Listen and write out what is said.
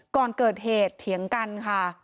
ก่อนเกิดเหตุเถียงกันค่ะ